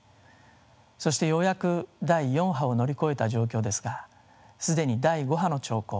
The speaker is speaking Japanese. そしてようやく第４波を乗り越えた状況ですが既に第５波の兆候